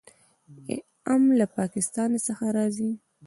ام له پاکستان څخه راځي.